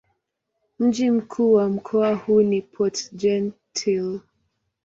Mji mkuu wa mkoa huu ni Port-Gentil.